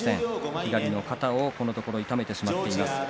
左の肩のところを痛めてしまっています。